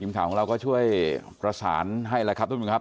ยิ้มข่าวเราก็ช่วยประสานให้แหละครับต้อมินครับ